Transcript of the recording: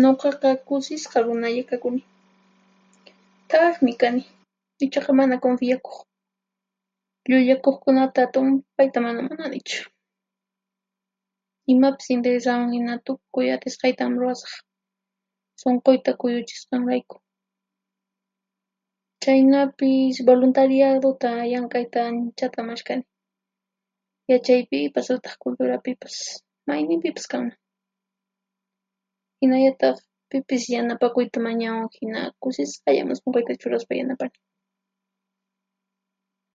Nuqaqa kusisqa runalla kakuni. Thaqmi kani, ichaqa mana confiyakuq. Llullakuqkunata tumpayta mana munanichu. Imapis intirisawan hina tukuy atisqaytan ruwasaq, sunquyta kuyuchisqanrayku. Chhaynapis, voluntariyaduta llank'aykunata anchata mashkhani, yachaypipas utaq kulturapipas mayninpipas kanman. Hinallataq pipis yanapakuyta mañawan hina kusisqallan sunquyta churaspa yanapani.